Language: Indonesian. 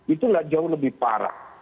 itulah jauh lebih parah